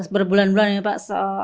berbulan bulan ya pak